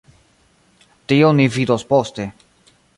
Tion ni vidos poste.